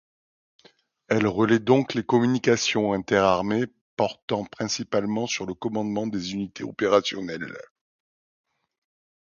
Elle relaie donc les communications interarmées, portant principalement sur le commandement des unités opérationnelles.